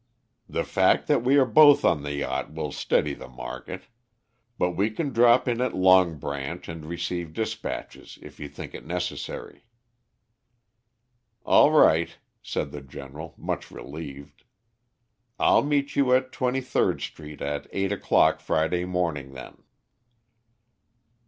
"The fact that we are both on the yacht will steady the market. But we can drop in at Long Branch and receive despatches if you think it necessary." "All right," said the General, much relieved. "I'll meet you at Twenty third Street at eight o'clock Friday morning, then."